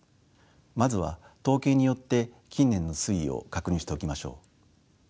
まずは統計によって近年の推移を確認しておきましょう。